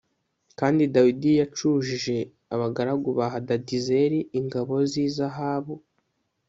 Kandi Dawidi yacujije abagaragu ba Hadadezeri ingabo z’izahabu